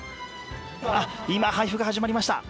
今、配布が始まりました。